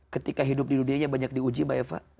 ketika hidup di dunia yang banyak diuji mbak eva